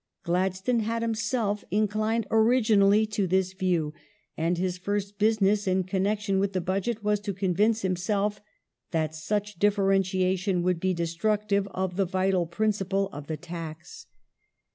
Gladstone had himself inclined originally to this view, and his first business in connection with the Budget was to convince himself that such differentiation would be destructive of the vital principle of the tax.